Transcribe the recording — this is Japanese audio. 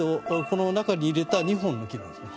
この中に入れた２本の木なんです。